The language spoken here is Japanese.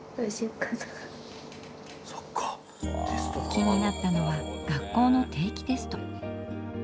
気になったのは学校の定期テスト。